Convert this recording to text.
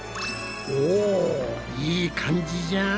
おいい感じじゃん。